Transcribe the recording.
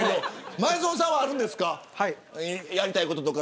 前園さんはあるんですか。